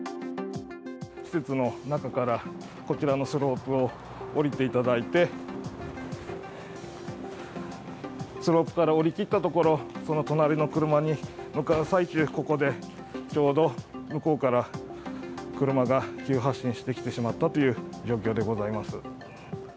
施設の中から、こちらのスロープを下りていただいて、スロープから下りきったところ、その隣の車に向かう最中、ここでちょうど向こうから車が急発進してきてしまったという状況